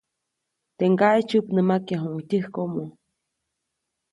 Teʼ ŋgaʼe tsyäpnämakyajunaʼuŋ tyäjkomo.